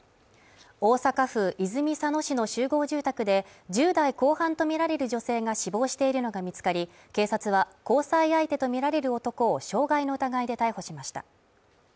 大阪府泉佐野市の集合住宅で１０代後半とみられる女性が死亡しているのが見つかり、警察は交際相手とみられる男を傷害の疑いで逮捕しました。